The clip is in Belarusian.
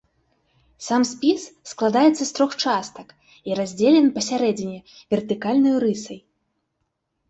Сам спіс складаецца з трох частак і раздзелен пасярэдзіне вертыкальнаю рысай.